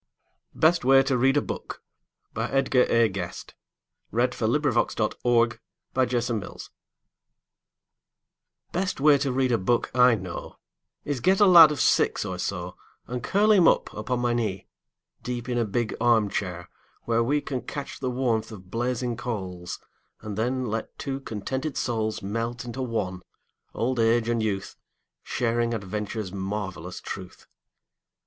n that of him who is a boy, a little boy on Christmas Day. Best Way to Read a Book Best way to read a book I know Is get a lad of six or so, And curl him up upon my knee Deep in a big arm chair, where we Can catch the warmth of blazing coals, And then let two contented souls Melt into one, old age and youth, Sharing adventure's marvelous truth.